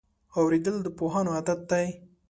اورېدل د پوهانو عادت دی.